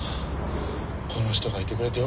この人がいてくれてよかったよ。